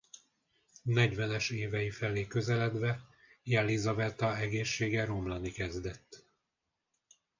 Negyvenes évei felé közeledve Jelizaveta egészsége romlani kezdett.